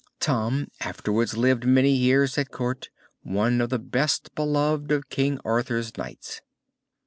Tom afterwards lived many years at Court, one of the best beloved of King Arthur's knights.